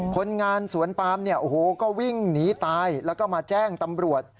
คนงานสวนปามเนี่ยโอ้โหก็วิ่งหนีตายแล้วก็มาแจ้งตำรวจ